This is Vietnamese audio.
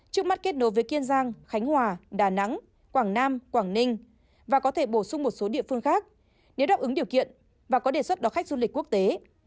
trước mắt kết nối với kiên giang khánh hòa đà nẵng quảng nam quảng ninh và có thể bổ sung một số địa phương khác nếu đáp ứng điều kiện và có đề xuất đón khách du lịch quốc tế